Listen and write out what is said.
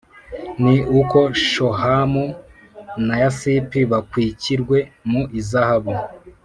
Ni uko Shohamu na Yasipi bakwikirwe mu izahabu